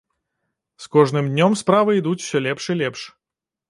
З кожным днём справы ідуць усё лепш і лепш.